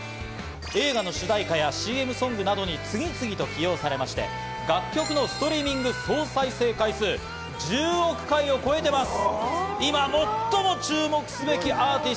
映画の主題歌や、ＣＭソングなどに次々と起用されまして、楽曲のストリーミング総再生回数は１０億回を超えてます。